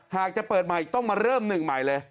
หากจะเปิดใหม่ต้องมาเริ่มหนึ่งใหม่เลย